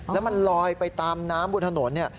แล้วมันลอยไปตามในน้ำบนถนน